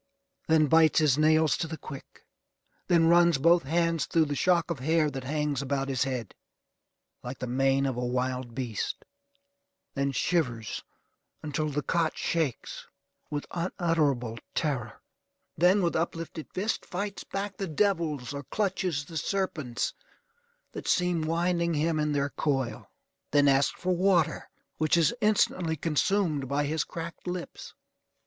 Then bites his nails to the quick. Then runs both hands through the shock of hair that hangs about his head like the mane of a wild beast. Then shivers until the cot shakes with unutterable terror. Then, with uplifted fist, fights back the devils, or clutches the serpents that seem winding him in their coil. Then asks for water, which is instantly consumed by his cracked lips.